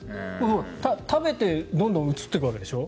食べてどんどん移っていくわけでしょ